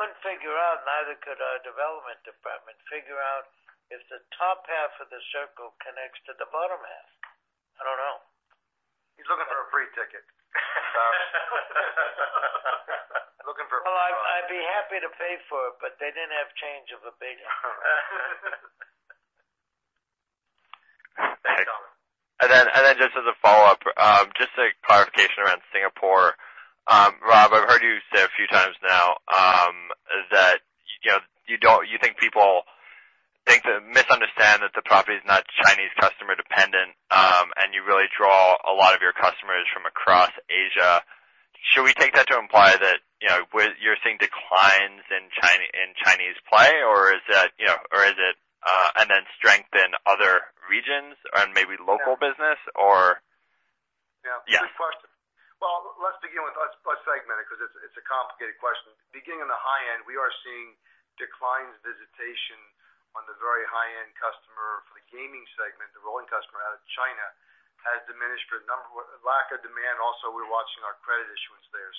[SPEAKER 3] We couldn't figure out, neither could our development department, figure out if the top half of the circle connects to the bottom half. I don't know.
[SPEAKER 5] He's looking for a free ticket.
[SPEAKER 3] Well, I'd be happy to pay for it, they didn't have change of $1 billion.
[SPEAKER 9] Just as a follow-up, just a clarification around Singapore. Rob, I've heard you say a few times now, that you think people misunderstand that the property is not Chinese customer dependent, and you really draw a lot of your customers from across Asia. Should we take that to imply that you're seeing declines in Chinese play, and then strength in other regions or in maybe local business or
[SPEAKER 5] Yeah.
[SPEAKER 9] Yeah.
[SPEAKER 5] Good question. Well, let's segment it because it's a complicated question. Beginning on the high end, we are seeing declines visitation on the very high-end customer for the gaming segment. The rolling customer out of China has diminished for a number of Lack of demand, also, we're watching our credit issuance there.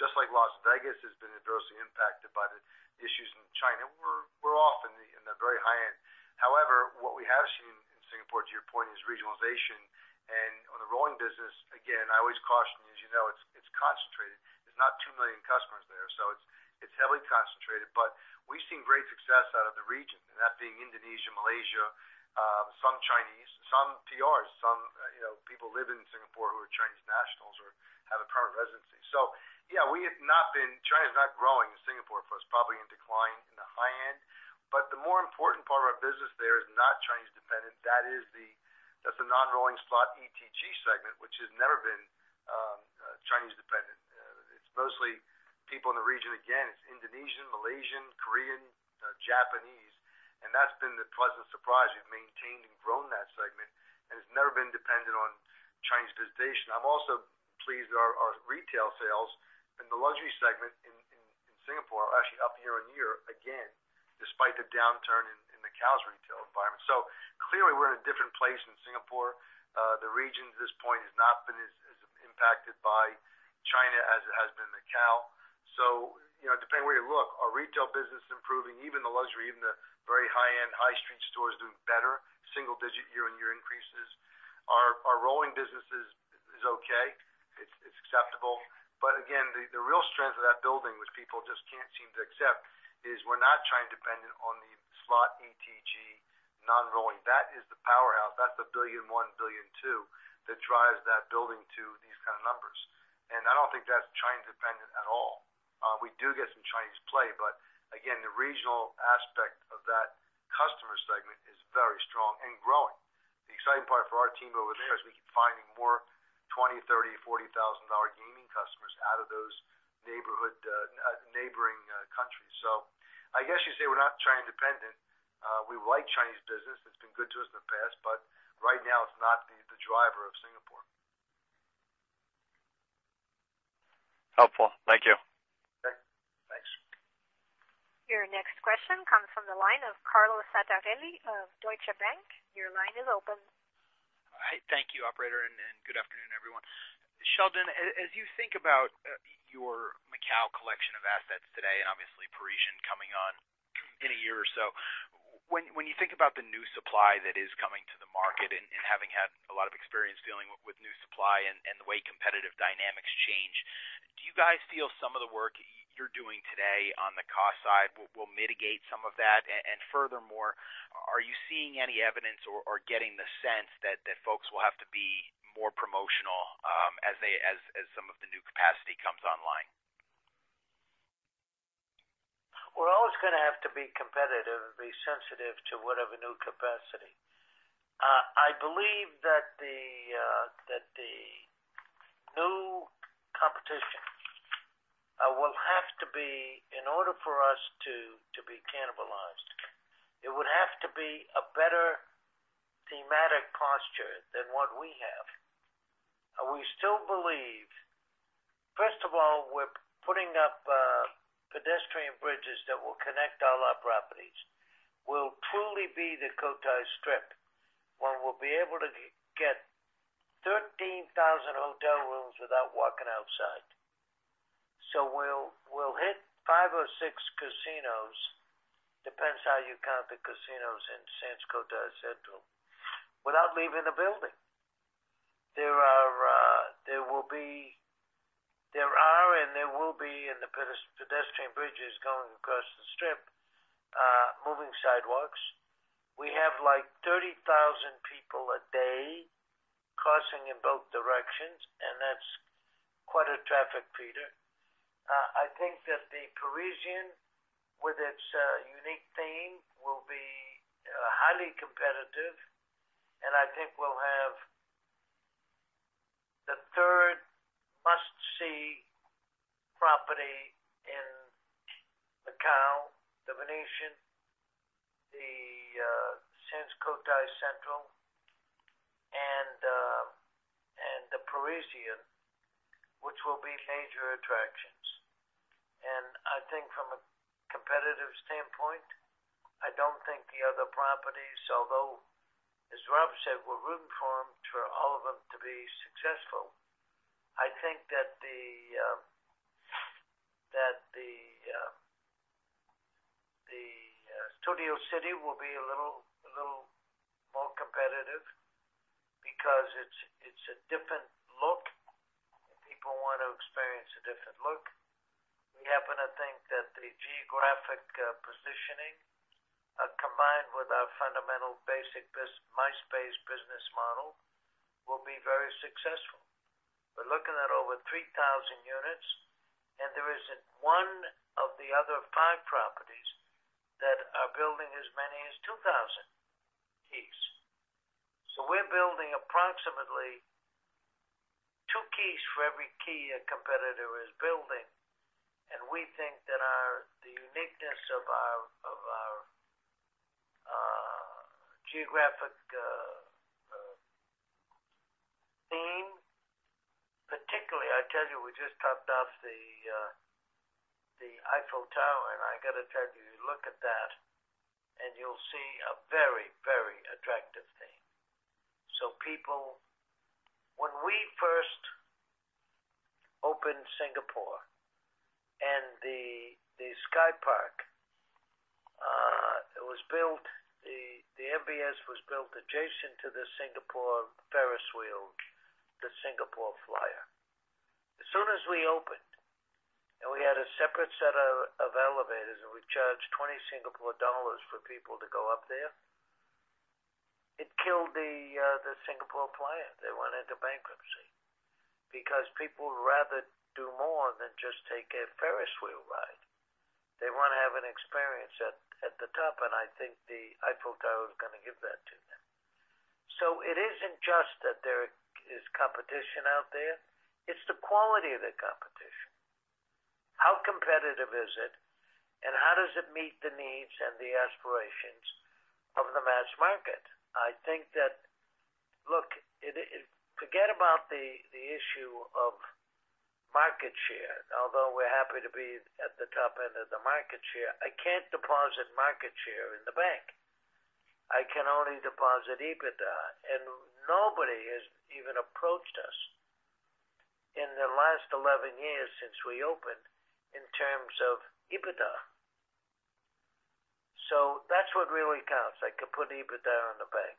[SPEAKER 5] Just like Las Vegas has been adversely impacted by the issues in China, we're off in the very high end. However, what we have seen in Singapore, to your point, is regionalization. On the rolling business, again, I always caution, as you know, it's concentrated. There's not 2 million customers there, so it's heavily concentrated. We've seen great success out of the region, and that being Indonesia, Malaysia, some Chinese, some PRs, some people living in Singapore who are Chinese nationals or have a permanent residency. Yeah, China's not growing in Singapore for us, probably in decline in the high end. The more important part of our business there is not Chinese dependent. That's the non-rolling slot ETG segment, which has never been Chinese dependent. It's mostly people in the region. Again, it's Indonesian, Malaysian, Korean, Japanese, and that's been the pleasant surprise. We've maintained and grown that segment, and it's never been dependent on Chinese visitation. I'm also pleased our retail sales in the luxury segment in Singapore are actually up year-on-year again, despite the downturn in the Cotai's retail environment. Clearly, we're in a different place in Singapore. The region at this point has not been as impacted by China as it has been Macau. Depending on where you look, our retail business is improving, even the luxury, even the very high-end high-street stores doing better, single-digit year-on-year increases. Our rolling business is okay. It's acceptable. Again, the real strength of that building, which people just can't seem to accept, is we're not China dependent on the slot ETG non-rolling. That is the powerhouse. That's the 1 billion, 2 billion that drives that building to these kind of numbers. I don't think that's China dependent at all. We do get some Chinese play, but again, the regional aspect of that customer segment is very strong and growing. The exciting part for our team over there is we keep finding more 20,000, 30,000, 40,000 gaming customers out of those neighboring countries. I guess you'd say we're not China independent. We like Chinese business. It's been good to us in the past, right now it's not the driver of Singapore.
[SPEAKER 9] Helpful. Thank you.
[SPEAKER 5] Okay, thanks.
[SPEAKER 1] Your next question comes from the line of Carlo Santarelli of Deutsche Bank. Your line is open.
[SPEAKER 10] Hi, thank you, operator, and good afternoon, everyone. Sheldon, as you think about your Macau collection of assets today, and obviously Parisian coming on in a year or so. When you think about the new supply that is coming to the market and having had a lot of experience dealing with new supply and the way competitive dynamics change, do you guys feel some of the work you're doing today on the cost side will mitigate some of that? Furthermore, are you seeing any evidence or getting the sense that folks will have to be more promotional as some of the new capacity comes online?
[SPEAKER 3] We're always going to have to be competitive and be sensitive to whatever new capacity. I believe that the new competition will have to be, in order for us to be cannibalized, it would have to be a better thematic posture than what we have. We still believe, first of all, we're putting up pedestrian bridges that will connect all our properties, will truly be the Cotai Strip, where we'll be able to get 13,000 hotel rooms without walking outside. We'll hit five or six casinos, depends how you count the casinos in Sands Cotai Central, without leaving the building. There are and there will be, in the pedestrian bridges going across the strip, moving sidewalks. We have like 30,000 people a day crossing in both directions, and that's quite a traffic feeder. I think that The Parisian, with its unique theme, will be highly competitive. I think we'll have the third must-see property in Macau, The Venetian, Sands Cotai Central, and The Parisian, which will be major attractions. I think from a competitive standpoint, I don't think the other properties, although, as Rob said, we're rooting for them, for all of them to be successful. I think that Studio City will be a little more competitive because it's a different look, and people want to experience a different look. We happen to think that the geographic positioning, combined with our fundamental basic MICE business model, will be very successful. We're looking at over 3,000 units, and there isn't one of the other five properties that are building as many as 2,000 keys. We're building approximately two keys for every key a competitor is building, and we think that the uniqueness of our geographic theme, particularly, I tell you, we just topped off the Eiffel Tower, and I got to tell you, look at that and you'll see a very, very attractive thing. People, when we first opened Singapore and the SkyPark, the MBS was built adjacent to the Singapore Ferris wheel, the Singapore Flyer. As soon as we opened, and we had a separate set of elevators, and we charged 20 Singapore dollars for people to go up there, it killed the Singapore Flyer. They went into bankruptcy because people would rather do more than just take a Ferris wheel ride. They want to have an experience at the top, and I think the Eiffel Tower is going to give that to them. It isn't just that there is competition out there, it's the quality of the competition. How competitive is it, and how does it meet the needs and the aspirations of the mass market? I think that, look, forget about the issue of market share, although we're happy to be at the top end of the market share. I can't deposit market share in the bank. I can only deposit EBITDA. Nobody has even approached us in the last 11 years since we opened in terms of EBITDA. That's what really counts. I could put EBITDA in the bank,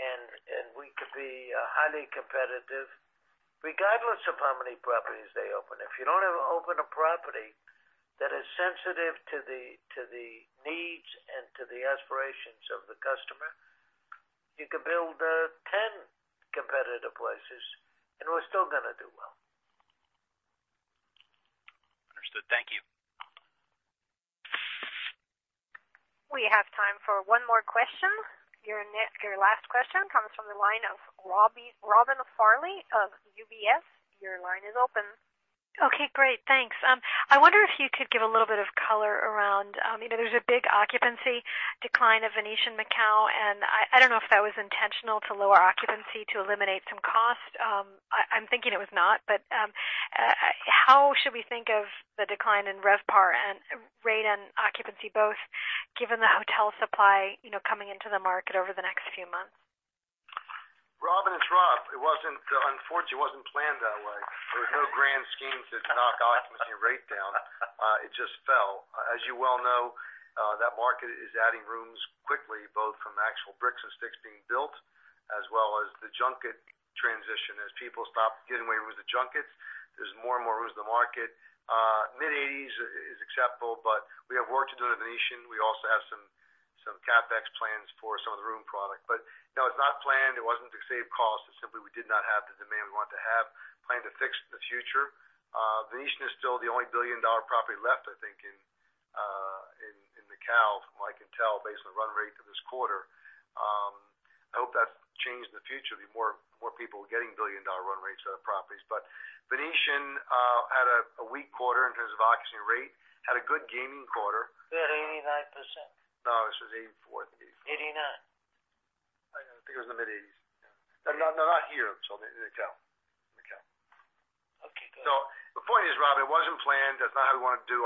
[SPEAKER 3] and we could be highly competitive regardless of how many properties they open. If you don't ever open a property that is sensitive to the needs and to the aspirations of the customer, you could build 10 competitive places, and we're still going to do well.
[SPEAKER 10] Understood. Thank you.
[SPEAKER 1] We have time for one more question. Your last question comes from the line of Robin Farley of UBS. Your line is open.
[SPEAKER 11] Okay, great. Thanks. I wonder if you could give a little bit of color around, there's a big occupancy decline of The Venetian Macao, and I don't know if that was intentional to lower occupancy to eliminate some cost. I'm thinking it was not, but how should we think of the decline in RevPAR and rate and occupancy both given the hotel supply coming into the market over the next few months?
[SPEAKER 5] Robin, it's Robert. Unfortunately, it wasn't planned that way. There was no grand scheme to knock occupancy and rate down. It just fell. As you well know, that market is adding rooms quickly, both from actual bricks and sticks being built, as well as the junket transition. As people stop giving away rooms to junkets, there's more and more rooms in the market. Mid-80s is acceptable, but we have work to do at The Venetian. We also have some CapEx plans for some of the room product. No, it's not planned. It wasn't to save cost. It's simply we did not have the demand we want to have planned to fix in the future. The Venetian is still the only billion-dollar property left, I think, in Macau, from what I can tell based on the run rate for this quarter. I hope that's changed in the future, be more people getting billion-dollar run rates out of properties. The Venetian had a weak quarter in terms of occupancy rate, had a good gaming quarter.
[SPEAKER 3] We had 89%.
[SPEAKER 5] No, this was 84, I think. 84.
[SPEAKER 3] 89.
[SPEAKER 5] I think it was in the mid-80s. No, not here. In Macau.
[SPEAKER 3] Okay, good.
[SPEAKER 5] The point is, Robin, it wasn't planned. That's not how we want to do.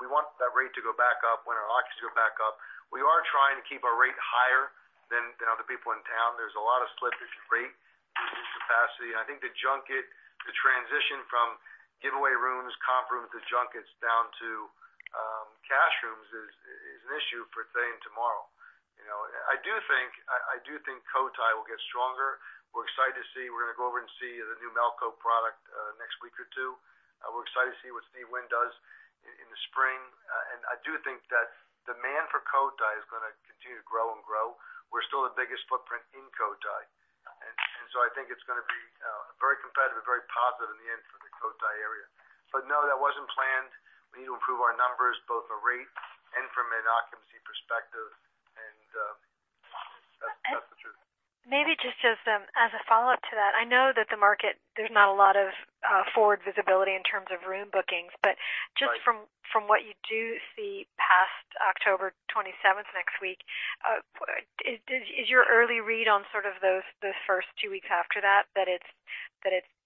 [SPEAKER 5] We want that rate to go back up when our occupancies go back up. We are trying to keep our rate higher than other people in town. There's a lot of split between rate and capacity, and I think the junket, the transition from giveaway rooms, comp rooms with junkets down to cash rooms is an issue for today and tomorrow. I do think Cotai will get stronger. We're excited to see. We're going to go over and see the new Melco product next week or two. We're excited to see what Steve Wynn does in the spring. I do think that demand for Cotai is going to continue to grow and grow. We're still the biggest footprint in Cotai. I think it's going to be very competitive, very positive in the end for the Cotai area. No, that wasn't planned. We need to improve our numbers, both the rate and from an occupancy perspective, and that's the truth.
[SPEAKER 11] Maybe just as a follow-up to that, I know that the market, there's not a lot of forward visibility in terms of room bookings.
[SPEAKER 5] Right.
[SPEAKER 11] Just from what you do see past October 27th, next week, is your early read on sort of those first two weeks after that it's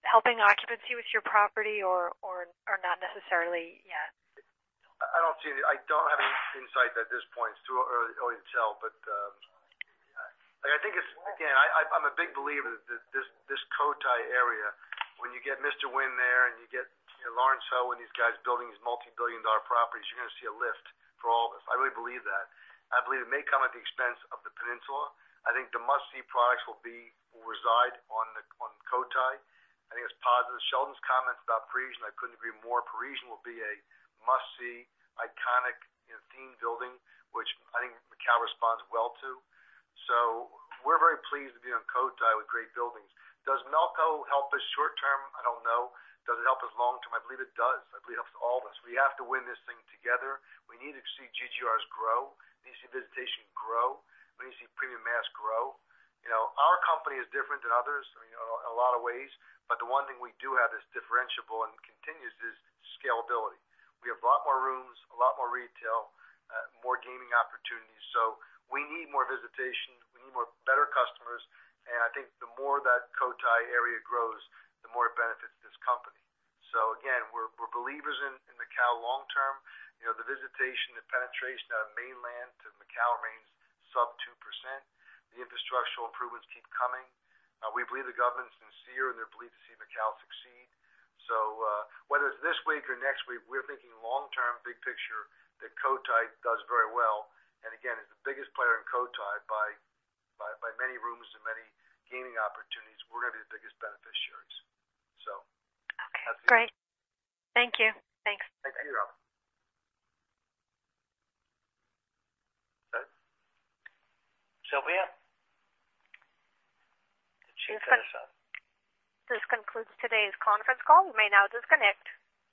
[SPEAKER 11] helping occupancy with your property or not necessarily yet?
[SPEAKER 5] I don't have any insight at this point. It's too early to tell. I think it's, again, I'm a big believer that this Cotai area, when you get Mr. Wynn there and you get Lawrence Ho and these guys building these multi-billion dollar properties, you're going to see a lift for all of us. I really believe that. I believe it may come at the expense of the peninsula. I think the must-see products will reside on Cotai. I think it's positive. Sheldon's comments about Parisian, I couldn't agree more. Parisian will be a must-see, iconic theme building, which I think Macau responds well to. We're very pleased to be on Cotai with great buildings. Does Melco help us short term? I don't know. Does it help us long term? I believe it does. I believe it helps all of us. We have to win this thing together. We need to see GGRs grow. We need to see visitation grow. We need to see premium mass grow. Our company is different than others in a lot of ways. The one thing we do have that's differentiable and continues is scalability. We have a lot more rooms, a lot more retail, more gaming opportunities. We need more visitation. We need better customers. I think the more that Cotai area grows, the more it benefits this company. Again, we're believers in Macau long term. The visitation, the penetration out of mainland to Macau remains sub 2%. The infrastructural improvements keep coming. We believe the government's sincere, and they're pleased to see Macau succeed. Whether it's this week or next week, we're thinking long term, big picture, that Cotai does very well. Again, as the biggest player in Cotai by many rooms and many gaming opportunities, we're going to be the biggest beneficiaries. That's it.
[SPEAKER 11] Okay, great. Thank you. Thanks.
[SPEAKER 5] Thank you.
[SPEAKER 3] Okay. Sylvia? The Chief Editor.
[SPEAKER 1] This concludes today's conference call. You may now disconnect.